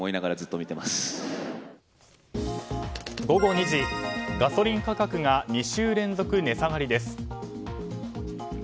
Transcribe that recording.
午後２時、ガソリン価格が２週連続値下がりです。